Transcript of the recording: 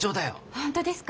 本当ですか！？